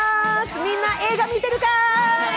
みんな映画見てるかーい？